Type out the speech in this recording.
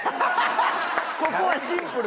ここはシンプル！？